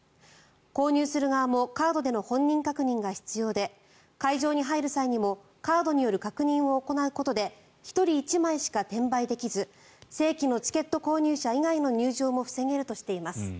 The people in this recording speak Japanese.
購入する側もカードでの本人確認が必要で会場に入る際にもカードによる確認を行うことで１人１枚しか転売できず正規のチケット購入者以外の入場も防げるとしています。